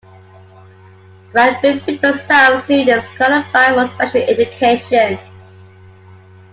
About fifty percent of students qualify for special education.